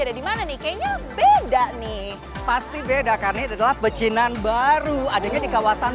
ada di mana nih kayaknya beda nih pasti beda karena adalah pecinan baru adanya di kawasan